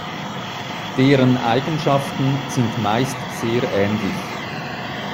Deren Eigenschaften sind meist sehr ähnlich.